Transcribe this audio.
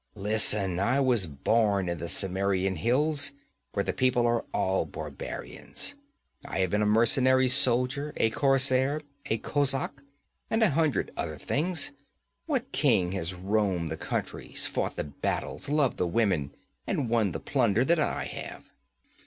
Listen: I was born in the Cimmerian hills where the people are all barbarians. I have been a mercenary soldier, a corsair, a kozak, and a hundred other things. What king has roamed the countries, fought the battles, loved the women, and won the plunder that I have?